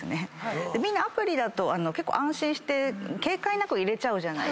みんなアプリだと安心して警戒なく入れちゃうじゃない。